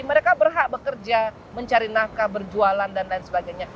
mereka berhak bekerja mencari nafkah berjualan dan lain sebagainya